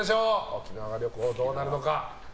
沖縄旅行、どうなるのか。